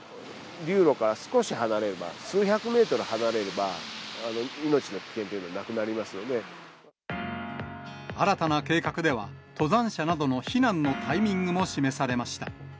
流路から少し離れれば数百メートル離れれば、命の危険はなくなり新たな計画では、登山者などの避難のタイミングなども示されました。